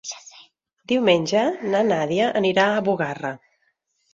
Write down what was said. Diumenge na Nàdia anirà a Bugarra.